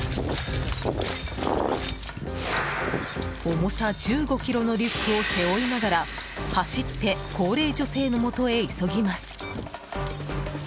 重さ１５ｋｇのリュックを背負いながら走って高齢女性のもとへ急ぎます。